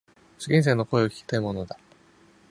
受験生の声を聞きたいものだ。